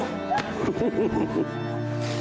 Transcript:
フフフフフ。